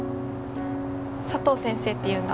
佐藤先生っていうんだ。